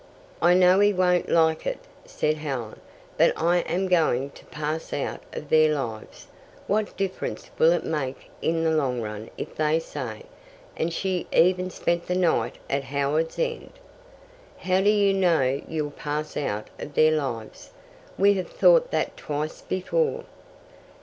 "I know he won't like it," said Helen. "But I am going to pass out of their lives. What difference will it make in the long run if they say, 'And she even spent the night at Howards End'?" "How do you know you'll pass out of their lives? We have thought that twice before."